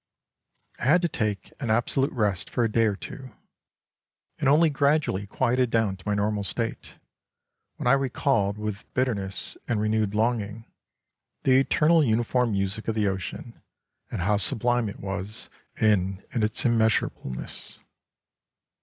I had to take an absolute rest for a day or two, and only gradually 16 quieted down to my normal state, when I recalled with bitter ness and renewed longing, the eternal uniform music of the ocean and how sublime it was in its immeasureableness.